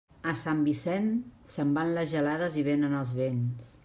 A Sant Vicent, se'n van les gelades i vénen els vents.